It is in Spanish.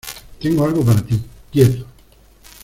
Tengo algo para ti. ¡ quietos!